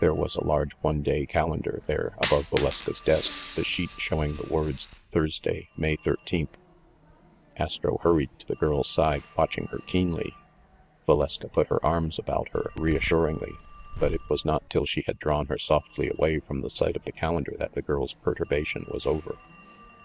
There was a large one day calendar there above Valeska's desk, the sheet showing the words, "Thursday, May 13." Astro hurried to the girl's side, watching her keenly. Valeska put her arms about her reassuringly; but it was not till she had drawn her softly away from the NUMBER THIRTEEN 169 sight of the calendar that the girl's perturbation was over.